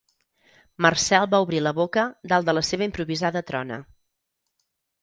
Marcel va obrir la boca dalt de la seva improvisada trona.